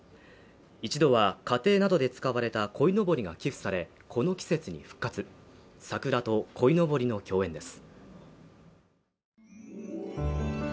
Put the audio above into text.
一度は家庭などで使われたこいのぼりが寄付され、この季節に復活桜と鯉のぼりの共演です。